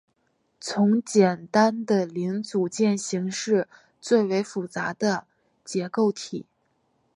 从简单的零组件型式最为复杂的结构体。